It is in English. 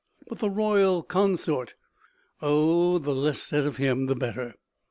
But the royal consort O, the less said of him, the better.